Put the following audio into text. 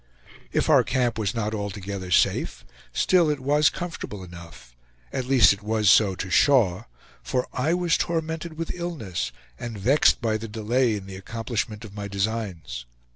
If our camp were not altogether safe, still it was comfortable enough; at least it was so to Shaw, for I was tormented with illness and vexed by the delay in the accomplishment of my designs.